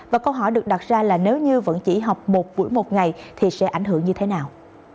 và câu hỏi được đặt ra là nếu như vẫn chỉ học một buổi một ngày thì sẽ ảnh hưởng như thế nào